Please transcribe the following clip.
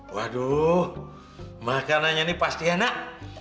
waduh makanannya ini pasti enak